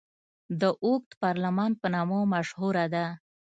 د اوږد پارلمان په نامه مشهوره ده.